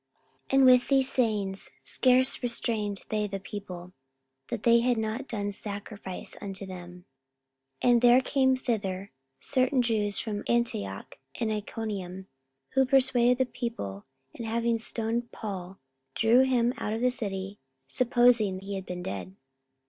44:014:018 And with these sayings scarce restrained they the people, that they had not done sacrifice unto them. 44:014:019 And there came thither certain Jews from Antioch and Iconium, who persuaded the people, and having stoned Paul, drew him out of the city, supposing he had been dead.